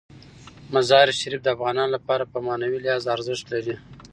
مزارشریف د افغانانو لپاره په معنوي لحاظ ارزښت لري.